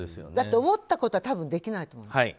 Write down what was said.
だって、思ったことは多分できないと思う。